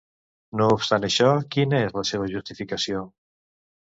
No obstant això, quina és la seva justificació?